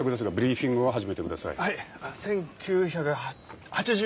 １９８０